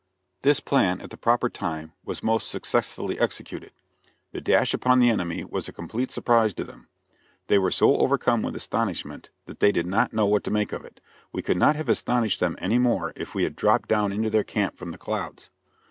This plan, at the proper time, was most successfully executed. The dash upon the enemy was a complete surprise to them. They were so overcome with astonishment that they did not know what to make of it. We could not have astonished them any more if we had dropped down into their camp from the clouds.